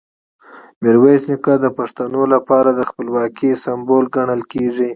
میرویس نیکه د پښتنو لپاره د خپلواکۍ سمبول ګڼل کېږي.